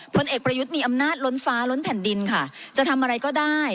พลเอกประยุทธ์มีอำนาจล้นฟ้าล้นแผ่นดินค่ะจะทำอะไรก็ได้